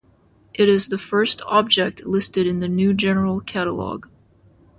It is the first object listed in the New General Catalogue.